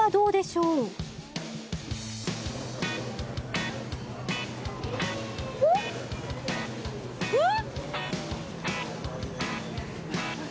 うん！